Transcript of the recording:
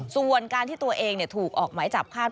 ส่วนการที่ตัวเองถูกออกหมายจับคาด